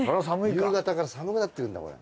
夕方から寒くなってるんだこれ。